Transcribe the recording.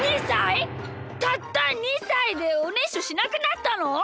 たった２さいでおねしょしなくなったの！？